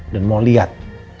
dan mau liat